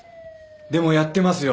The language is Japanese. でもやってますよ